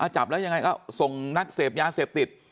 จับแล้วยังไงก็ส่งนักเสพยาเสพติด